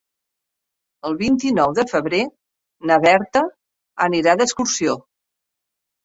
El vint-i-nou de febrer na Berta anirà d'excursió.